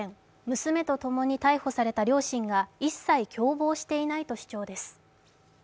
娘とともに逮捕された両親が、一切、共謀していないと主張です。